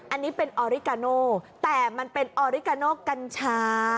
อันนี้เป็นออริกาโนแต่มันเป็นออริกาโนกัญชา